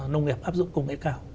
nông nghiệp áp dụng công nghệ cao